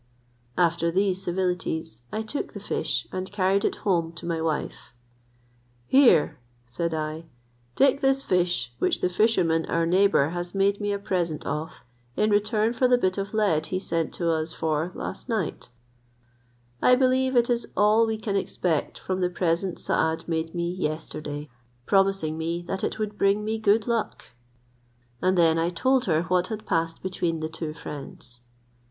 After these civilities, I took the fish, and carried it home to my wife. "Here," said I, "take this fish, which the fisherman our neighbour has made me a present of, in return for the bit of lead he sent to us for last night: I believe it is all we can expect from the present Saad made me yesterday, promising me that it would bring me good luck;" and then I told her what had passed between the two friends.